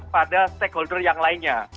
pada stakeholder yang lainnya